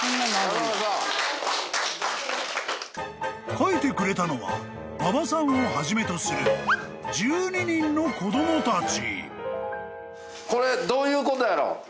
［書いてくれたのは馬場さんをはじめとする１２人の子供たち］